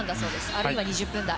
あるいは２０分台。